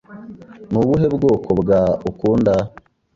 Ni ubuhe bwoko bwa akunda?